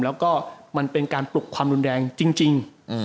แล้วก็มันเป็นการปลุกความรุนแรงจริง